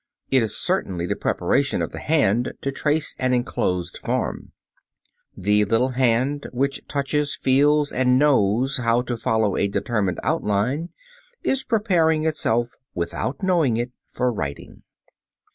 It is certainly the preparation of the hand to trace an enclosed form. The little hand which touches, feels, and knows how to follow a determined outline is preparing itself, without knowing it, for writing.